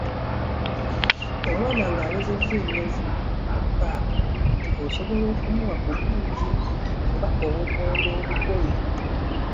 Omwana ng'awezezza emyezi mukaaga nti osobola okumuwa ku buugi oba obummonde obugoye.